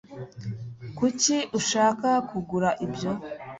kuki ushaka kugura ibyo